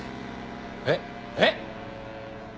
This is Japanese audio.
えっ？えっ！？